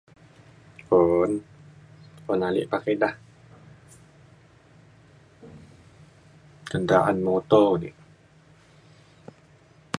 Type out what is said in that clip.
Un un ale pak ida. Cen ta’an muto di.